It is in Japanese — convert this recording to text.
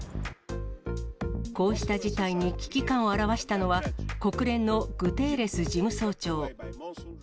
こうした事態に危機感を表したのは、国連のグテーレス事務総長。